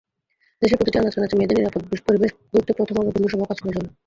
দেশের প্রতিটি আনাচকানাচে মেয়েদের নিরাপদ পরিবেশ গড়তে প্রথম আলো বন্ধুসভাও কাজ করে যাবে।